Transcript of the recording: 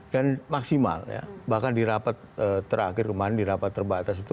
dan maksimal bahkan di rapat terakhir kemarin di rapat terbatas itu